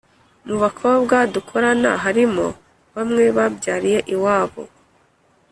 Mubakobwa dukorana harimo bamwe babyariye iwabo